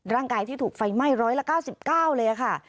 ร่างกายที่ถูกไฟล์ไหม้๑๐๐ละ๙๙เลยค่ะ